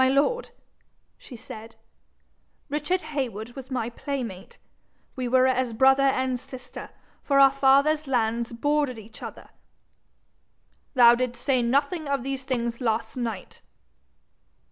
'My lord,' she said, 'Richard Heywood was my playmate. We were as brother and sister, for our fathers'lands bordered each other.' 'Thou didst say nothing of these things last night?'